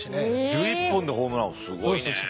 １１本でホームラン王すごいね。